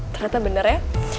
ternyata bener ya